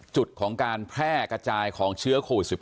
จุดของการแพร่กระจายของเชื้อโควิด๑๙